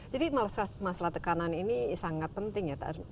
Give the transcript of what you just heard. jadi masalah tekanan ini sangat penting ya